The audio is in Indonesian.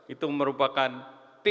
itu merupakan tim